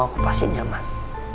aku pasti nyaman